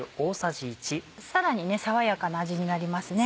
さらに爽やかな味になりますね。